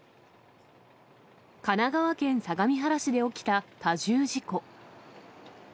神奈川県相模原市で起きた多重事故。